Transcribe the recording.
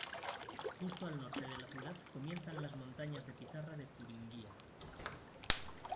Justo al norte de la ciudad comienzan las montañas de pizarra de Turingia.